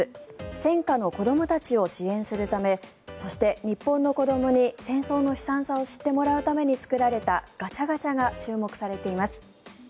戦禍の子どもたちを支援するためそして、日本の子どもに戦争の悲惨さを知ってもらうために作られたガチャガチャが注目されています。